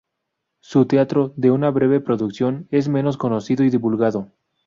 Su teatro, de una breve producción, es menos conocido y divulgado.